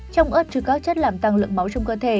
trong ớt trừ các chất làm tăng lượng máu trong cơ thể